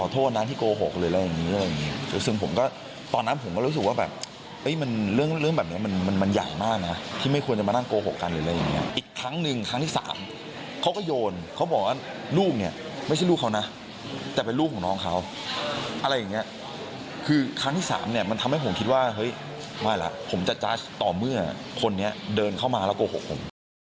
ตอนนั้นผมก็รู้สึกว่าแบบเอ้ยมันเรื่องแบบเนี้ยมันมันมันอย่างมากนะที่ไม่ควรจะมานั่งโกหกกันหรืออะไรอย่างเงี้ยอีกครั้งหนึ่งครั้งที่สามเขาก็โยนเขาบอกว่าลูกเนี้ยไม่ใช่ลูกเขานะแต่เป็นลูกของน้องเขาอะไรอย่างเงี้ยคือครั้งที่สามเนี้ยมันทำให้ผมคิดว่าเฮ้ยว่าล่ะผมจะจัดต่อเมื่อคนนี้เดินเข้ามาแล้วกโกหกผม